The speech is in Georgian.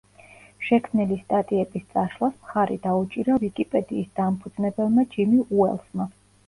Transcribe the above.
შექმნილი სტატიების წაშლას მხარი დაუჭირა ვიკიპედიის დამფუძნებელმა ჯიმი უელსმა.